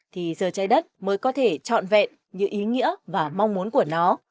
thì giờ trái đất mới có thể trọn vẹn như ý nghĩa và mong muốn của nó